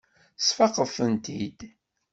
Tesfaqeḍ-tent-id.